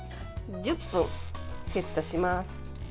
１０分セットします。